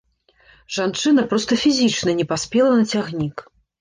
Жанчына проста фізічна не паспела на цягнік.